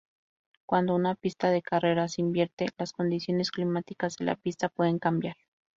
Cuando una pista de carreras invierte, las condiciones climáticas de la pista pueden cambiar.